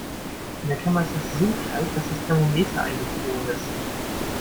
In der Kammer ist es so kalt, dass das Thermometer eingefroren ist.